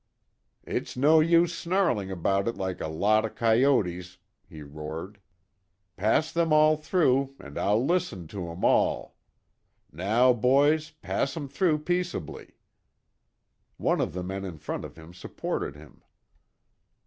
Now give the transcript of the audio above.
"It's no use snarling about it like a lot of coyotes," he roared. "Pass them all through, and I'll listen to 'em all. Now, boys, pass 'em through peaceably." One of the men in front of him supported him.